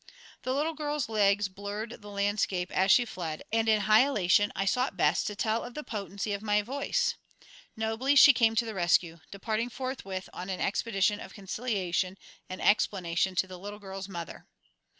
The little girl's legs blurred the landscape as she fled, and in high elation I sought Bess to tell of the potency of my voice. Nobly she came to the rescue, departing forthwith on an expedition of conciliation and explanation to the little girl's mother.